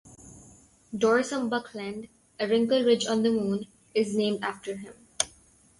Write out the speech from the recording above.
Dorsum Buckland, a wrinkle ridge on the Moon, is named after him.